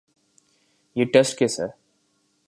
یہ test case ہے۔